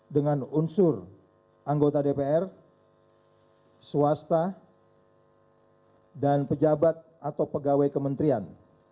dengan unsur anggota dpr swasta dan pejabat atau pegawai kementerian